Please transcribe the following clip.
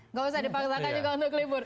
nggak usah dipaksakan juga untuk libur